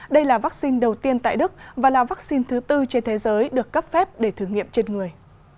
đây là vaccine đầu tiên tại đức và là vaccine thứ tư trên thế giới được cấp phép để thử nghiệm trên người